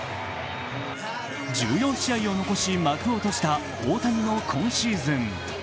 １４試合を残し幕を閉じた大谷の今シーズン。